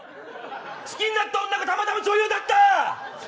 好きになった女がたまたま女優だった。